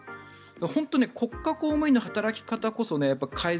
本当に国家公務員の働き方こそ改善。